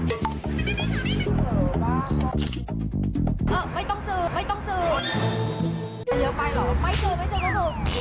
เอ้าไม่ต้องจืน